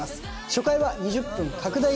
初回は２０分拡大